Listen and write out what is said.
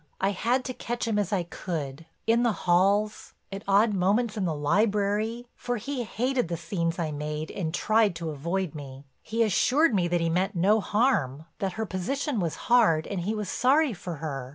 I had to catch him as I could—in the halls, at odd moments in the library, for he hated the scenes I made and tried to avoid me. He assured me that he meant no harm, that her position was hard and he was sorry for her.